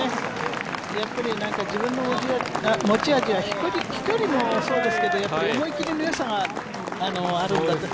やっぱり自分の持ち味は、飛距離もそうですけど思い切りの良さがあるんだと。